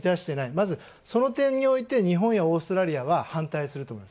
まず、その点において日本やオーストラリアは反対すると思う。